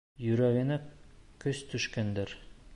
Йөрәгенә көс төшкәндер.